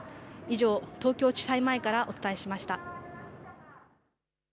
以上、東京地裁前からお伝えしました。